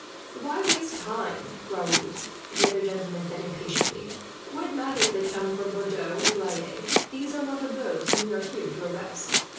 "Why waste time, Raoul?" the other gentleman said, impatiently. "What matter if they came from Bordeaux or Blaye, these are not of those whom we are here to arrest.